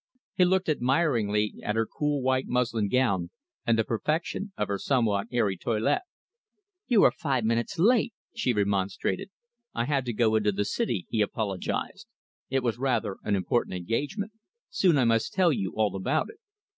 He looked admiringly at her cool white muslin gown and the perfection of her somewhat airy toilette. "You are five minutes late," she remonstrated. "I had to go into the city," he apologised. "It was rather an important engagement. Soon I must tell you all about it."